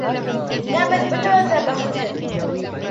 Ниңә беҙ бөтәбеҙ ҙә бәхетһеҙ!